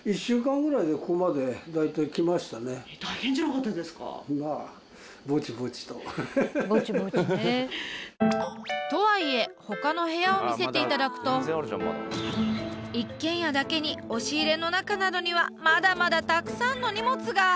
わっ意外とまあとはいえほかの部屋を見せていただくと一軒家だけに押し入れの中などにはまだまだたくさんの荷物が！